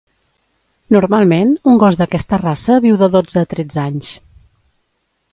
Normalment un gos d'aquesta raça viu de dotze a tretze anys.